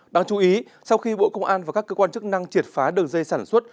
đáng chú ý sau khi bộ công an và các cơ quan chức năng triệt phá đường dây sản xuất